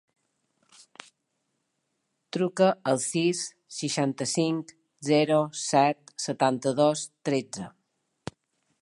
Truca al sis, seixanta-cinc, zero, set, setanta-dos, tretze.